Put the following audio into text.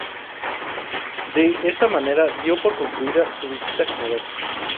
De esta manera dio por concluida su visita general.